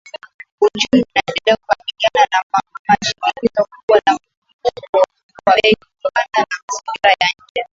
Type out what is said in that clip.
Uchumi unaendelea kukabiliwa na shinikizo kubwa la mfumuko wa bei kutokana na mazingira ya nje